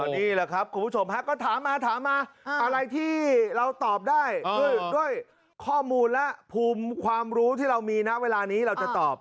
นี่แหละครับคุณผู้ชมฮะก็ถามมาถามมาอะไรที่เราตอบได้ด้วยข้อมูลและภูมิความรู้ที่เรามีนะเวลานี้เราจะตอบ